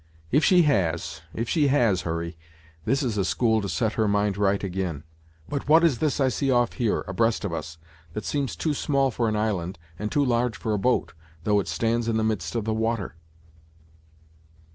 "If she has if she has, Hurry, this is a school to set her mind right ag'in. But what is this I see off here, abreast of us, that seems too small for an island, and too large for a boat, though it stands in the midst of the water!